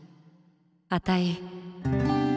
あたい。